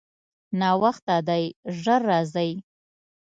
ناوخته دی، ژر راځئ.